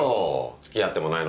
付き合ってもないのに。